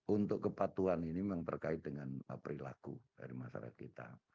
untuk kepatuhan ini memang terkait dengan perilaku dari masyarakat kita